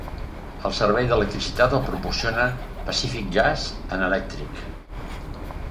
El servei d'electricitat el proporciona Pacific Gas and Electric.